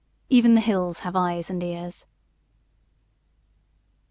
Even the hills have eyes and ears."